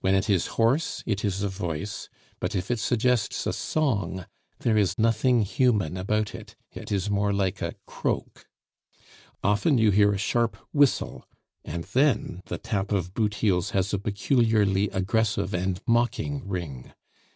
When it is hoarse it is a voice; but if it suggests a song, there is nothing human about it, it is more like a croak. Often you hear a sharp whistle, and then the tap of boot heels has a peculiarly aggressive and mocking ring.